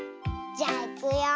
じゃあいくよ。